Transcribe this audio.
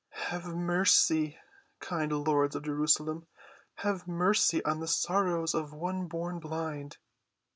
"Have mercy, kind lords of Jerusalem; have mercy on the sorrows of one born blind!"